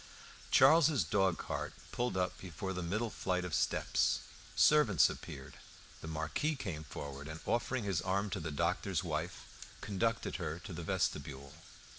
Charles's dog cart pulled up before the middle flight of steps; servants appeared; the Marquis came forward, and, offering his arm to the doctor's wife, conducted her to the vestibule.